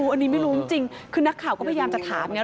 อันนี้ไม่รู้จริงคือนักข่าวก็พยายามจะถามไง